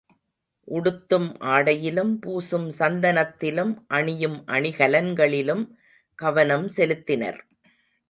உடுத்தும் ஆடையிலும், பூசும் சந்தனத்திலும், அணியும் அணிகலன்களிலும் கவனம் செலுத்தினர்.